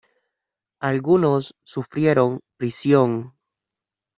Algunos sufrieron prisión.